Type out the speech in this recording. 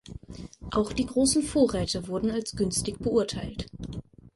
Auch die großen Vorräte wurden als günstig beurteilt.